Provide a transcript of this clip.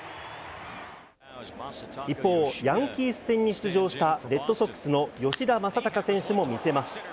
一方、ヤンキース戦に出場したレッドソックスの吉田正尚選手も見せます。